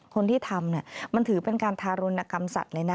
คนที่ทำมันถือเป็นการทารุณกรรมสัตว์เลยนะ